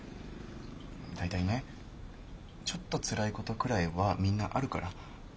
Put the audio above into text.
大体ねちょっとつらいことくらいはみんなあるから。